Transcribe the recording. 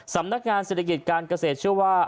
สำนักงานเศรษฐกิจการเกษตรเชื่อว่า